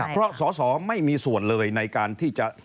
เพราะสอสอไม่มีส่วนเลยในการที่จะ